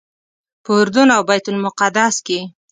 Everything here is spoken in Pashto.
په اردن او بیت المقدس کې.